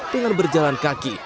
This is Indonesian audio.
dengan berjalan kaki